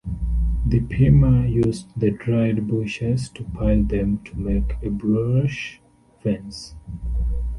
The Pima used the dried bushes to pile them to make a brush fence.